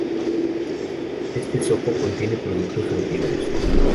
Este zoco contiene productos antiguos.